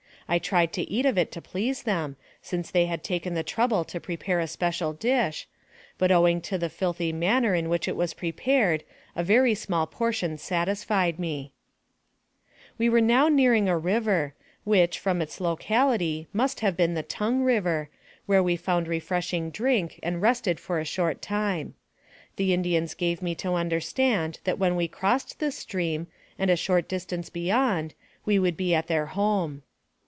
' I tried to eat of it to please them, since they had taken the trouble to prepare a special dish, but owing to the filthy manner in which it was prepared a very small portion satisfied me. AMONG THE SIOUX INDIANS 79 "We were now nearing a river, which, from its locality, must have been the Tongue River, where we found refreshing drink, and rested for a short time. The Indians gave me to understand that when we crossed this stream, and a short distance beyond, we would be at their home.